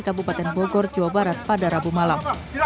kabupaten bogor jawa barat pada rabu malam